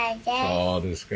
そうですか。